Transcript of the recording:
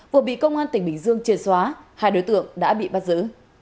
vừa bị công an tỉnh bình dương triệt xóa hai đối tượng đã bị bắt giữ